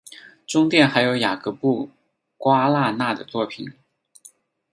中殿还有雅格布瓜拉纳的作品。